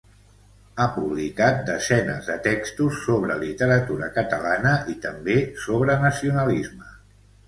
Ha publicat desenes de textos sobre literatura catalana i també sobre nacionalisme.